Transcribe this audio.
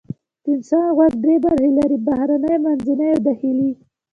د انسان غوږ درې برخې لري: بهرنی، منځنی او داخلي.